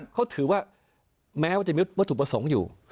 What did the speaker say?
เขาถือว่าแม้ว่าจะมีวัตถุประสงค์อยู่